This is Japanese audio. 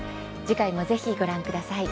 次回もぜひご覧ください。